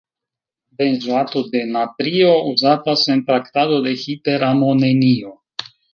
Benzoato de natrio uzatas en traktado de hiper-amonenio.